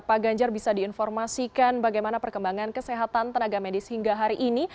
pak ganjar bisa diinformasikan bagaimana perkembangan kesehatan tenaga medis hingga hari ini